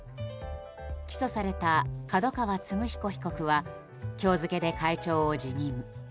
起訴された角川歴彦被告は今日付で会長を辞任。